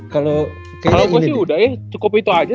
kalau aku sih udah ya cukup itu aja